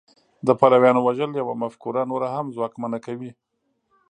د پلویانو وژل یوه مفکوره نوره هم ځواکمنه کوي